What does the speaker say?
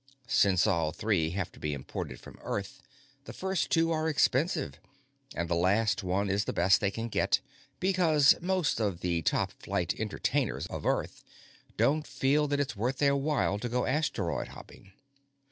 Since all three have to be imported from Earth, the first two are expensive and the last one is the best they can get, because most of the top flight entertainers of Earth don't feel that it's worth their while to go asteroid hopping.